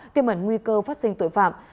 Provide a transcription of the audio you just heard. tiêm ẩn nguy cơ phát sinh tội phạm